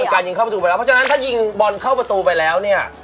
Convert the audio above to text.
การยิงเข้าประตูไปแล้วเพราะฉะนั้นถ้ายิงบอลเข้าประตูไปแล้วเนี่ย